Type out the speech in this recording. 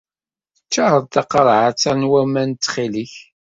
Ččar-d taqerɛet-a n waman ttxil-k.